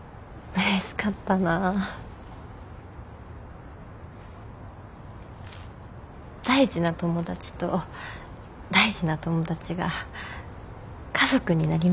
大事な友達と大事な友達が家族になりました。